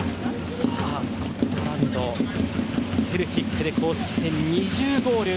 スコットランドセルティックで公式戦２０ゴール。